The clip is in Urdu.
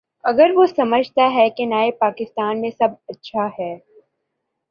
اگر وہ سمجھتا ہے کہ نئے پاکستان میں سب اچھا ہے۔